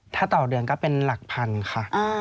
ถ้าต่อเดือนก็เป็นหลักพันค่ะ